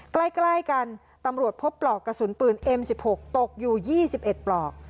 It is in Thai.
ใกล้ใกล้กันตำรวจพบปลอกกระสุนปืนเอ็มสิบหกตกอยู่ยี่สิบเอ็ดปลอก